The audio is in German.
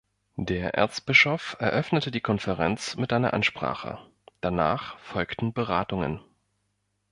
Der Erzbischof eröffnete die Konferenz mit einer Ansprache; danach folgten Beratungen.